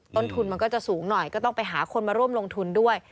ต้นทุนมันก็จะสูงหน่อยก็ต้องไปหาคนมาร่วมลงทุนด้วย